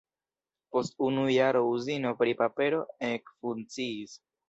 Post unu jaro uzino pri papero ekfunkciis.